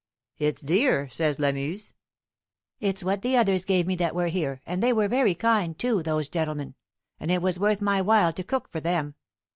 "It's dear," says Lamuse. "It's what the others gave me that were here, and they were very kind, too, those gentlemen, and it was worth my while to cook for them.